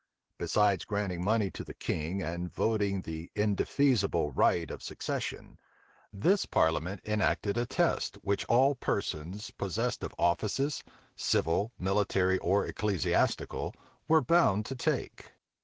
Besides granting money to the king and voting the indefeasible right of succession, this parliament enacted a test, which all persons possessed of offices, civil, military, or ecclesiastical, were bound to take.